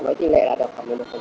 với tỉ lệ là khoảng một mươi một